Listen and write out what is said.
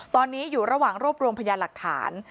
ตอนนี้อยู่ระหว่างรวบรวมพยานหลักฐาน